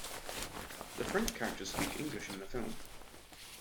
The French characters speak English in the film.